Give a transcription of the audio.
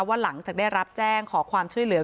หลังจากได้รับแจ้งขอความช่วยเหลือ